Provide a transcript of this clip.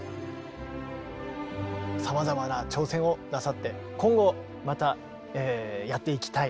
さまざまな挑戦をなさって今後またやっていきたい